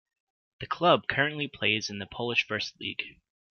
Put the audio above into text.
The club currently plays in the Polish First League.